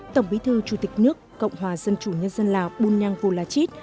tổng bí thư chủ tịch nước cộng hòa dân chủ nhân dân lào bùn nhang vô la chít